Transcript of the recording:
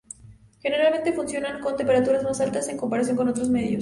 Generalmente funcionan con temperaturas más altas, en comparación con otros medios.